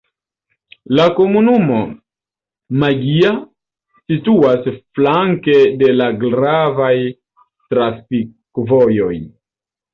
La komunumo Maggia situas flanke de la gravaj trafikvojoj.